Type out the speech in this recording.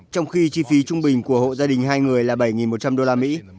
trong khi chi phí trung bình của hộ gia đình hai người là bảy một trăm linh đô la mỹ